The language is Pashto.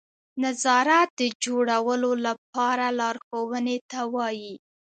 نظارت د جوړولو لپاره لارښوونې ته وایي.